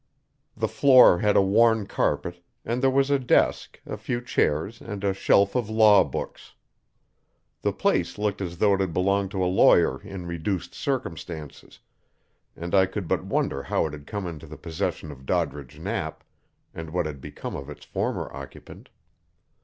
The floor had a worn carpet, and there was a desk, a few chairs and a shelf of law books. The place looked as though it had belonged to a lawyer in reduced circumstances, and I could but wonder how it had come into the possession of Doddridge Knapp, and what had become of its former occupant.